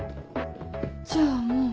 じゃあもう。